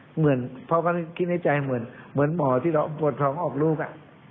เหมือนพ่อก็คิดในใจเหมือนเหมือนหมอที่เราปวดพร้อมออกลูกอ่ะ